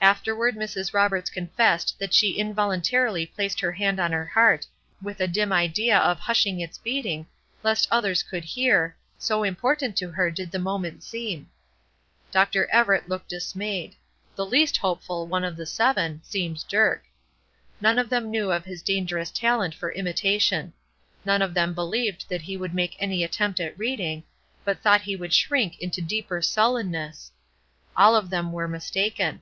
Afterward Mrs. Roberts confessed that she involuntarily placed her hand on her heart with a dim idea of hushing its beating lest others would hear, so important to her did the moment seem. Dr. Everett looked dismayed. The least hopeful one of the seven seemed Dirk. None of them knew of his dangerous talent for imitation. None of them believed that he would make any attempt at reading, but thought he would shrink into deeper sullenness. All of them were mistaken.